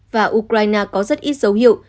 và ukraine có rất ít dấu hiệu